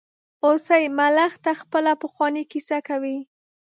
هوسۍ ملخ ته خپله پخوانۍ کیسه کوي.